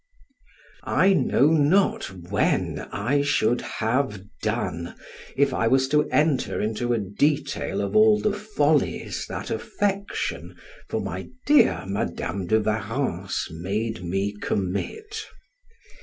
I know not when I should have done, if I was to enter into a detail of all the follies that affection for my dear Madam de Warrens made me commit.